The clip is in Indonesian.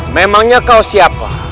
memangnya kau siapa